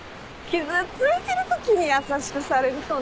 傷ついてるときに優しくされるとね。